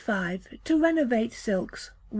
To Renovate Silks (1).